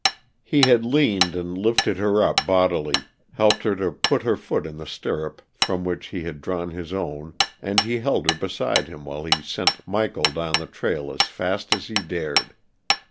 He had leaned and lifted her up bodily, helped her to put her foot in the stirrup from which he had drawn his own, and he held her beside him while he sent Michael down the trail as fast as he dared.